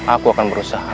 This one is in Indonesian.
aku akan berusaha